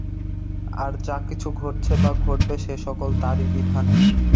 আর যা কিছু ঘটছে বা ঘটবে, সে-সকল তাঁরই বিধানে।